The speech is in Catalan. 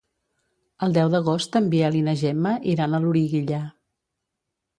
El deu d'agost en Biel i na Gemma iran a Loriguilla.